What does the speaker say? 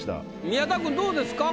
宮田君どうですか？